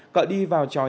cợ đi vào tròi